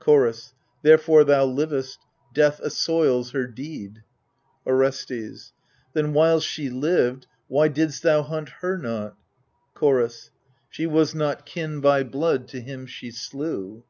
Chorus Therefore thou livest ; death assoils her deed. Orestes Then while she lived why didst thou hunt her not ? Chorus She was not kin by blood to him she slew.